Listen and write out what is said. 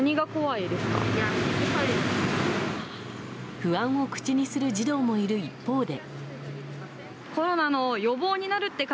不安を口にする児童もいる一方で。